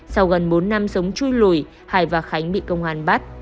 sau gần bốn năm sống chui lùi hải và khánh bị công an bắt